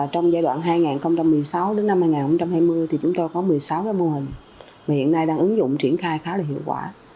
trong giai đoạn hai nghìn một mươi sáu đến năm hai nghìn hai mươi thì chúng tôi có một mươi sáu cái mô hình mà hiện nay đang ứng dụng triển khai khá là hiệu quả